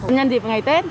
nhân dịp ngày tết